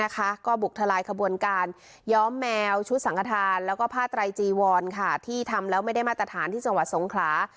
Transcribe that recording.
ก็บุกทลายขบวนการย้อมแมวชุดสังฆฐานแล้วก็ผ้าไตรจีวรที่ทำแล้วไม่ได้มาตรฐานที่จังหวัดสงขลา